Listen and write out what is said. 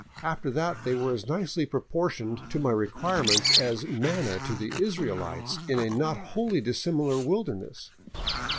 After that they were as nicely proportioned to my requirements as manna to the Israelites in a not wholly dissimilar wilderness.